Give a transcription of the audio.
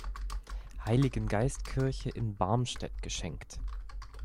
Heiligengeistkirche in Barmstedt geschenkt.